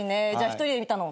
一人で見たの？